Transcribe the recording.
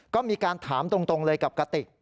ก็มีการถามตรงเลยกับกติก